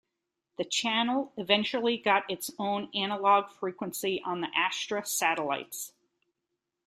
The channel eventually got its own analogue frequency on the Astra satellites.